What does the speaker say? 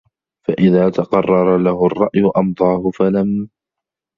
فَإِذَا تَقَرَّرَ لَهُ الرَّأْيُ أَمْضَاهُ فَلَمْ